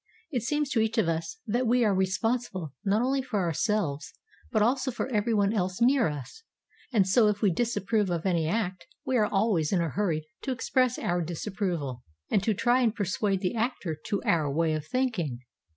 It seems to each of us that we are responsible, not only for ourselves, but also for everyone else near us; and so if we disapprove of any act, we are always in a hurry to express our disapproval and to try and persuade the actor to our way of thinking.